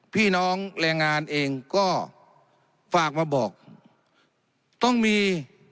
พี่น้องแรงงานเองก็ฝากมาบอกต้องมี